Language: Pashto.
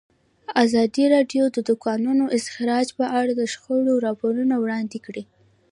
ازادي راډیو د د کانونو استخراج په اړه د شخړو راپورونه وړاندې کړي.